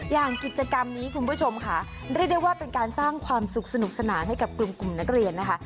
อย่างกิจกรรมนี้คุณผู้ชมค่ะเรียกได้ว่าเป็นการสร้างความสุขสนุกสนานให้กับกลุ่มนักเรียนนะคะ